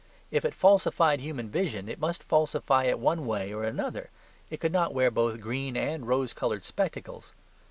If it falsified human vision it must falsify it one way or another; it could not wear both green and rose coloured spectacles.